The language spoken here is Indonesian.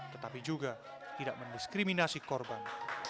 tetapi juga tidak mendiskriminasi korban